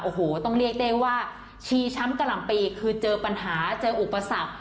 โอ้โหต้องเรียกได้ว่าชีช้ำกะหล่ำปีคือเจอปัญหาเจออุปสรรค